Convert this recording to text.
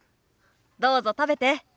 どうぞ食べて。